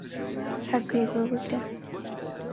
چاک گوێی بۆ بگرە